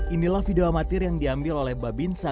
inilah video amatir yang diambil oleh babinsa